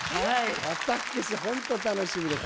私、本当に楽しみです。